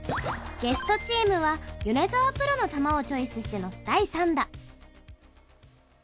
ゲストチームは米澤プロの球をチョイスしての第３打。